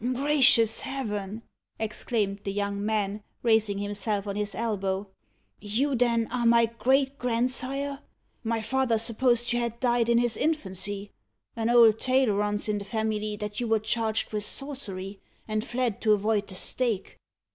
"Gracious Heaven!" exclaimed the young man, raising himself on his elbow. "You, then, are my great grandsire. My father supposed you had died in his infancy. An old tale runs in the family that you were charged with sorcery, and fled to avoid the stake."